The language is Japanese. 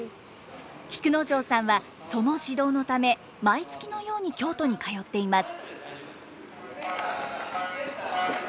菊之丞さんはその指導のため毎月のように京都に通っています。